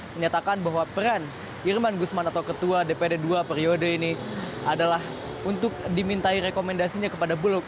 menyatakan bahwa peran irman gusman atau ketua dpd dua periode ini adalah untuk dimintai rekomendasinya kepada bulog